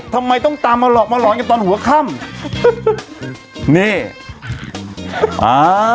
ทำไมต้องตามมาหลอกมาหลอนกันตอนหัวค่ำนี่อ่า